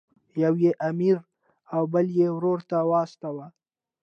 یو یې امیر او بل یې ورور ته واستاوه.